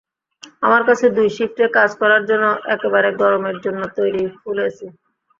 আমার কাছে দুই শিফটে কাজ করার জন্য একেবারে গরমের জন্য তৈরি ফুল এসি।